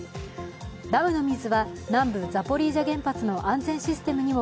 ダムの水は南部ザポリージャ原発の安全システムにも